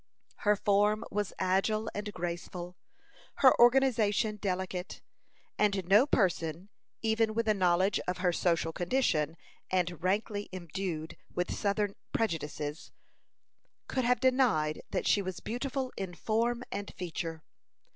Her form was agile and graceful, her organization delicate; and no person, even with a knowledge of her social condition, and rankly imbued with southern prejudices, could have denied that she was beautiful in form and feature.